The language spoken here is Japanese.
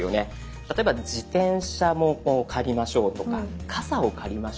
例えば自転車を借りましょうとかカサを借りましょう。